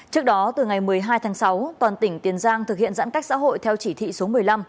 trước đó từ ngày một mươi hai tháng sáu toàn tỉnh tiền giang thực hiện giãn cách xã hội theo chỉ thị số một mươi năm